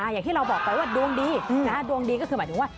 อย่างที่เราบอกไปว่าดวงดีดวงดีก็คือหมายถึงว่า